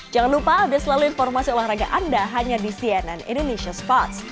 jangan lupa ada selalu informasi olahraga anda hanya di cnn indonesia sports